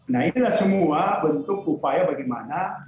nah inilah semua bentuk upaya bagaimana